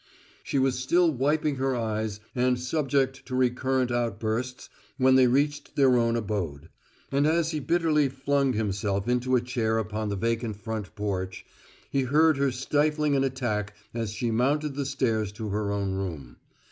She was still wiping her eyes and subject to recurrent outbursts when they reached their own abode; and as he bitterly flung himself into a chair upon the vacant front porch, he heard her stifling an attack as she mounted the stairs to her own room.